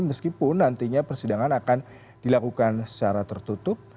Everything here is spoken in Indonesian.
meskipun nantinya persidangan akan dilakukan secara tertutup